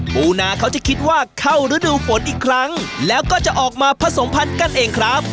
ปูนาเขาจะคิดว่าเข้าฤดูฝนอีกครั้งแล้วก็จะออกมาผสมพันธุ์กันเองครับ